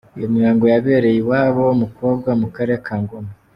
Iyo mihango yabereye iwabo w’umukobwa mu karere ka Ngoma.